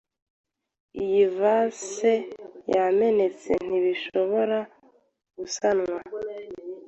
Iyi vase yamenetse ntishobora gusanwa.